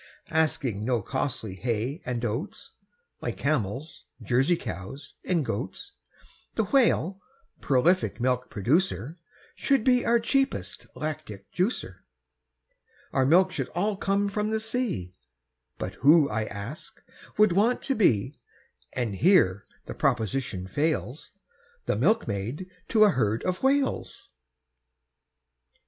Asking no costly hay and oats, Like camels, Jersey cows, and goats, The Whale, prolific milk producer, Should be our cheapest lactic juicer. Our milk should all come from the sea, But who, I ask, would want to be, And here the proposition fails, The milkmaid to a herd of Whales?